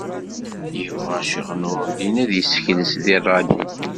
Yebγa Ccix Nuṛdin a-t-yessekles di ṛṛadyu.